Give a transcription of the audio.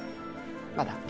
まだ？